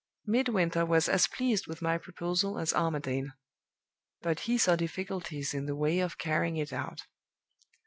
"Midwinter was as pleased with my proposal as Armadale; but he saw difficulties in the way of carrying it out.